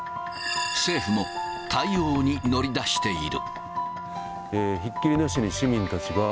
政府も対応に乗り出している。